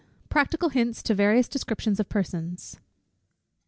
_Practical Hints to various Descriptions of Persons.